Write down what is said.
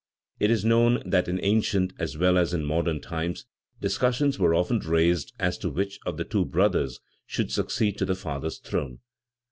It is known that in ancient, as well as in modern times, discussions were often raised as to which of two brothers should succeed to the father's throne.